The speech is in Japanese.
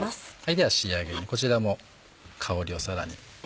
では仕上げにこちらも香りをさらに。